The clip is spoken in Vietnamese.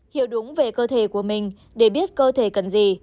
hiểu đúng về cơ thể của mình để biết cơ thể cần gì